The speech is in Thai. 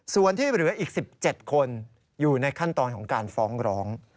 ส่วนที่เหลืออีก๑๗คนอยู่ในขั้นตอนของการฟ้องร้อง